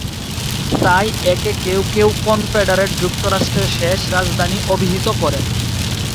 তাই একে কেউ কেউ কনফেডারেট যুক্তরাষ্ট্রের শেষ রাজধানী অভিহিত করেন।